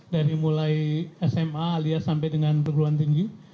dari mulai sma alias sampai dengan perguruan tinggi